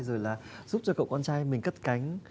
rồi là giúp cho cậu con trai mình cất cánh